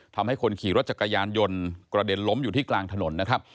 ทำให้คนขี่รถจักรยานยนต์กระเด็นล้มอยู่ที่กลางถนนนะครับ